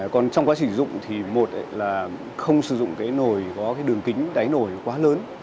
còn trong quá trình sử dụng thì một là không sử dụng cái nồi có cái đường kính đáy nổi quá lớn